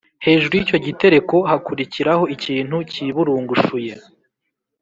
Hejuru y’icyo gitereko hakurikiraho ikintu cyiburungushuye